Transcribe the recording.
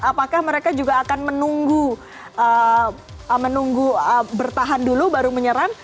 apakah mereka juga akan menunggu bertahan dulu baru menyerang